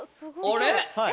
あれ？